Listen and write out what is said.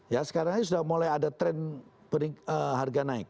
ya sekarang ini sudah mulai ada tren harga naik